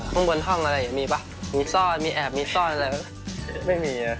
ข้างบนห้องอะไรมีป่ะมีซ่อนมีแอบมีซ่อนอะไรป่ะไม่มี